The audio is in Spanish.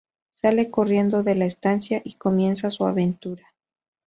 Sale corriendo de la estancia y comienza su aventura.